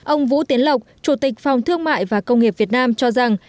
ông vũ tiến lộc chủ tịch phòng thương mại và công nghiệp việt nam cho rằng